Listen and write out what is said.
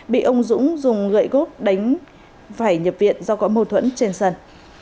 bị ông dũng dùng gậy góp đánh vải nhập viện do có mâu thuẫn trên sân